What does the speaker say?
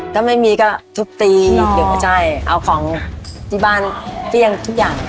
ถ้าไม่มีก็ทุกตีหรือประใจเอาของที่บ้านเฟียงทุกอย่าง